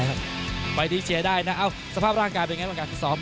ชบว่าไงครับเจอกับยอดมงคล